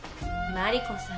マリコさん